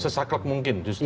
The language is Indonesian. sesaklok mungkin justru